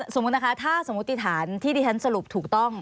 สมมุติฐานที่ดิธันสรุปถูกต้อง